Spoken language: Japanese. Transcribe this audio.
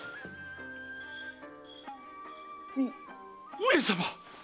上様！